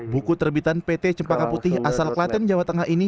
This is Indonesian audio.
buku terbitan pt cempaka putih asal klaten jawa tengah ini